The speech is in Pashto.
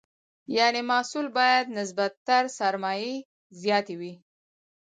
یعنې محصول باید نسبت تر سرمایې زیات وي.